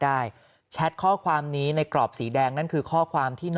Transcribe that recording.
แชทข้อความนี้ในกรอบสีแดงนั่นคือข้อความที่